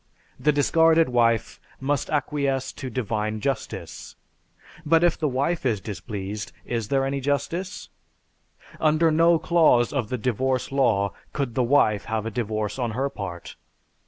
The discarded wife must acquiesce to "divine justice." But if the wife is displeased, is there any justice? Under no clause of the Divorce Law could the wife have a divorce on her part.